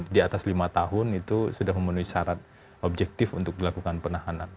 di atas lima tahun itu sudah memenuhi syarat objektif untuk dilakukan penahanan